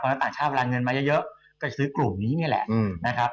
เพราะต่างชาติเวลาเงินมาเยอะก็ซื้อกลุ่มนี้นี่แหละนะครับ